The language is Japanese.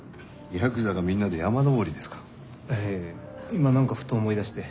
今何かふと思い出して。